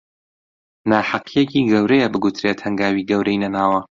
ناهەقییەکی گەورەیە بگوترێت هەنگاوی گەورەی نەناوە